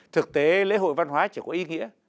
thực tế lễ hội văn hóa chỉ có ý nghĩa